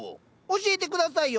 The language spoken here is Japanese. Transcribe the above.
教えて下さいよ